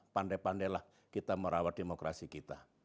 pandai pandailah kita merawat demokrasi kita